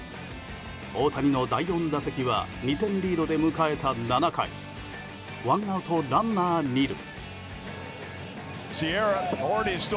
大谷の第４打席は２点リードで迎えた７回ワンアウトランナー２塁。